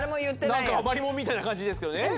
なんか余り物みたいな感じですけどね。